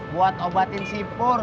buat obatin sipur